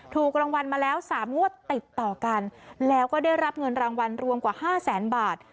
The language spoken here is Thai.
ถูกรางวัลมาแล้ว๓งวดติดต่อกันแล้วก็ได้รับเงินรางวัลรวมกว่าห้าแสนบาท